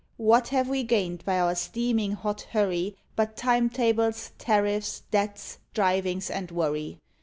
what have we gained by our steaming hot hurry, But time tables, tariffs, debts, drivings, and worry?